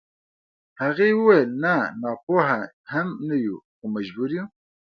هغې وويل نه ناپوهه هم نه يو خو مجبور يو.